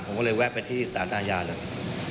ผมก็เลยแวะไปที่ศาสนายาแล้ว